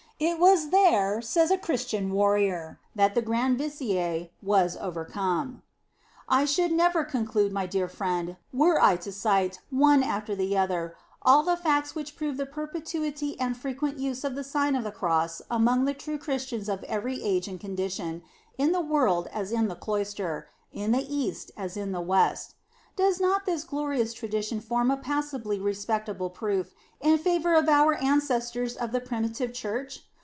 It was there, says a Chris tian warrior, that the Grand Vizier was over come. I should never conclude, my dear friend, were I to cite, one after the other, all the facts which prove the perpetuity and frequent use of the Sign of the Cross among the true Christians of every age and condition, in the \vorld as in the cloister; in the East as in the West. Does not this glorious tradition form a passably respectable proof in favor of our ancestors of the primitive Church?